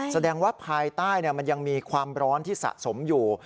แสดงว่าภายใต้มันยังมีความร้อนที่สะสมอยู่